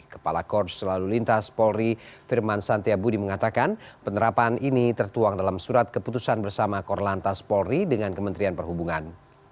kepala korps selalu lintas polri firman santiabudi mengatakan penerapan ini tertuang dalam surat keputusan bersama korlantas polri dengan kementerian perhubungan